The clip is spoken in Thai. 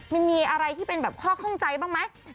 มันมีอะไรที่เป็นแบบข้อข้องใจบ้างไหม